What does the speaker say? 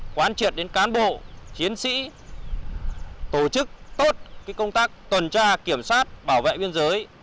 quán triệt đến cán bộ chiến sĩ tổ chức tốt công tác tuần tra kiểm soát bảo vệ biên giới